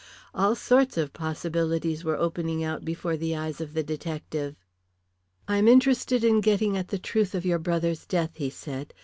All sorts of possibilities were opening out before the eyes of the detective. "I am interested in getting at the truth about your brother's death," he said.